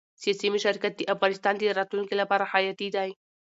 سیاسي مشارکت د افغانستان د راتلونکي لپاره حیاتي دی